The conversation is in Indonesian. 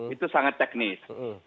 itu sangat teknis